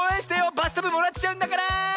バスタブもらっちゃうんだから！